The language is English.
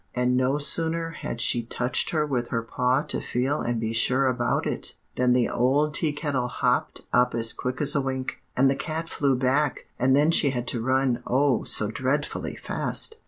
And no sooner had she touched her with her paw to feel and be sure about it, than the old Tea Kettle hopped up as quick as a wink; and the cat flew back, and then she had to run, oh, so dreadfully fast!